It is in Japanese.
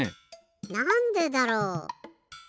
なんでだろう？